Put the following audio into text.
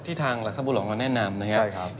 ที่ทางหลักสมบูรณ์เราแนะนำนะครับ